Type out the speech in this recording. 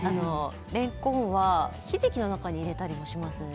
れんこんはひじきの中に入れたりしますね。